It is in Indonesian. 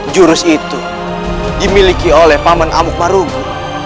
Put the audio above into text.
jurus itu dimiliki oleh paman amuk marubu